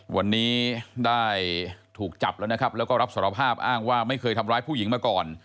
วันนี้ได้ถูกจับแล้วนะครับแล้วก็รับสารภาพอ้างว่าไม่เคยทำร้ายผู้หญิงมาก่อน